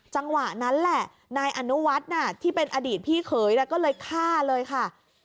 จังหวะนั้นแหละนายอนุวัฒน์ที่เป็นอดีตพี่เขยก็เลยฆ่าเลยค่ะ